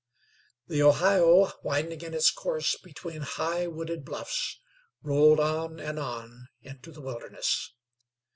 The Ohio, winding in its course between high, wooded bluffs, rolled on and on into the wilderness.